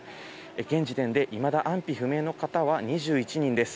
現時点でいまだ安否不明の方は２１人です。